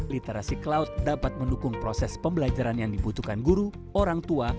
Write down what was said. literasi cloud dapat mendukung proses pembelajaran yang dibutuhkan guru orang tua